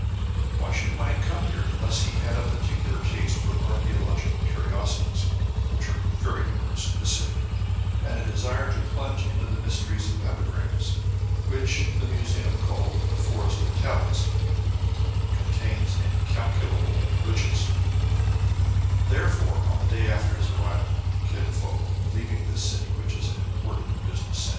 Why should Wang come here, unless he had a particular taste for archaeological curiosities (which are very numerous in this city), and a desire to plunge into the mysteries of epigrams, of which the museum, called " The Forest of Tablets," con tains incalculable riches } Therefore, on the day after his arrival, Kin Fo, leaving this city, which is an important business KIN'FO STARTS ON AN ADVENTURE.